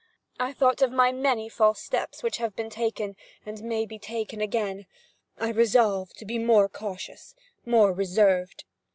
I thought of my many false steps which have been taken, and may be taken again. I resolved to be more cautious, more reserved.